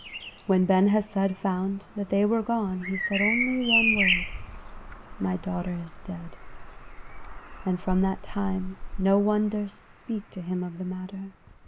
When Ben Hesed found that they were gone, he said only one word: "My daughter is dead." And from that time no one durst speak to him of the matter.